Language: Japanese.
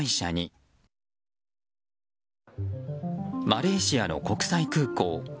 マレーシアの国際空港。